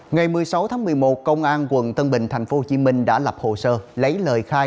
ngày một mươi sáu tháng một mươi một công an quận tân bình tp hcm đã lập hồ sơ lấy lời khai